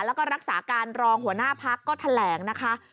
แล้วก็รักษาการรองหัวหน้าพักก็แถลงนะคะ